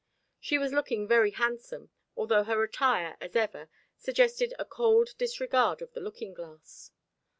She was looking very handsome, although her attire, as ever, suggested a cold disregard of the looking glass.